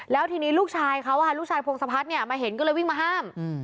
แล้วทีนี้ลูกชายเขาลูกชายพงศพัฒน์มาเห็นก็เลยวิ่งมาห้าม